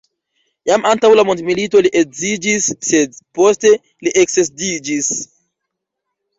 Jam antaŭ la mondomilito li edziĝis, sed poste li eksedziĝis.